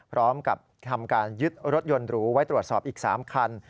พร้อมกับทำการยึดรถยนต์หรูไว้ตรวจสอบอีก๓คัน